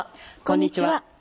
こんにちは。